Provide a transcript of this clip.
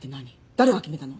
誰が決めたの？